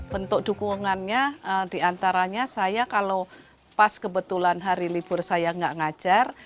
bentuk dukungannya diantaranya saya kalau pas kebetulan hari libur saya nggak ngajar